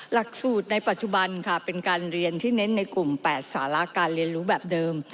หลักสูตรในปัจจุบันค่ะเป็นการเรียนที่เน้นในกลุ่ม๘สาระการเรียนรู้แบบเดิม